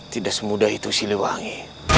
tidak semudah itu siliwangi